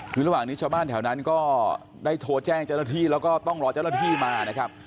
คือระหว่างนี้ชาวบ้านแถวนั้นก็ได้โทรแจ้งเจ้าหน้าที่แล้วก็ต้องรอเจ้าหน้าที่มานะครับ